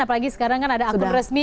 apalagi sekarang kan ada akun resmi